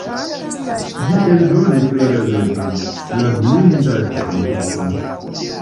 Ĝi eldonis la gazeton "La Blinda Esperantisto".